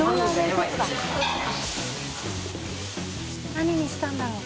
何にしたんだろう？